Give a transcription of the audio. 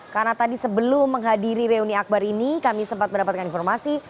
karena tadi sebelum menghadiri reuni akbar ini kami sempat mendapatkan informasi